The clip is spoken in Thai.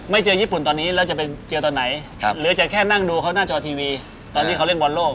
เจอญี่ปุ่นตอนนี้แล้วจะไปเจอตอนไหนหรือจะแค่นั่งดูเขาหน้าจอทีวีตอนที่เขาเล่นบอลโลก